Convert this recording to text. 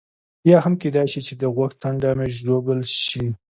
یا هم کېدای شي چې د غوږ څنډه مې ژوبل شي.